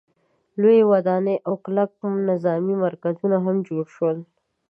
لویې ودانۍ او کلک نظامي مرکزونه هم جوړ شول.